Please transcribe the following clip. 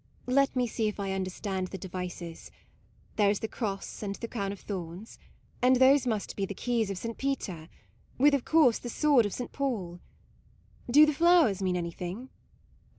Let me see if I understand the devices. There is the cross and the crown of thorns ; and those must be the keys of St. Peter, with, of course, the sword of St. Paul. Do the flowers mean any thing?